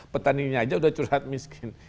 petaninya aja udah curhat miskin